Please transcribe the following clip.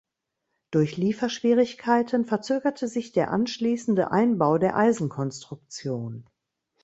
Durch Lieferschwierigkeiten verzögerte sich der anschließende Einbau der Eisenkonstruktion.